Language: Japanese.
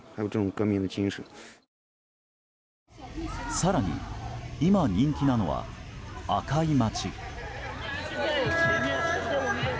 更に、今人気なのは紅い街。